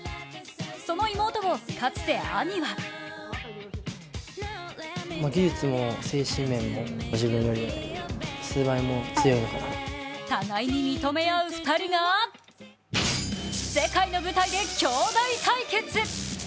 その妹をかつて兄は互いに認め合う二人が世界の舞台できょうだい対決。